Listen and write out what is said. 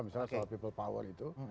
misalnya soal people power itu